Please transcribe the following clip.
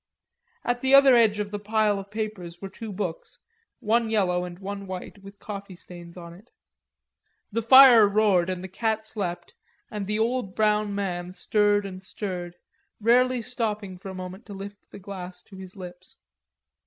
At the other edge of the pile of papers were two books, one yellow and one white with coffee stains on it. The fire roared and the cat slept and the old brown man stirred and stirred, rarely stopping for a moment to lift the glass to his lips.